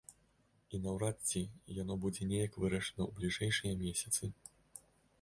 І наўрад ці яно будзе неяк вырашана ў бліжэйшыя месяцы.